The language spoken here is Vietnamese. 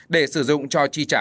để sử dụng cho chi trả